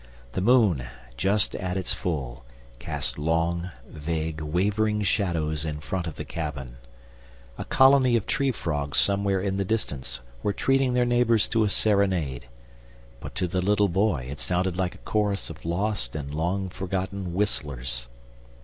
The moon, just at its full, cast long, vague, wavering shadows in front of the cabin. A colony of tree frogs somewhere in the distance were treating their neighbors to a serenade, but to the little boy it sounded like a chorus of lost and long forgotten whistlers.